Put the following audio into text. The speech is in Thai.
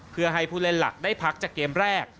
เพื่อให้ผู้เล่นหลักได้พักจากเกมแรก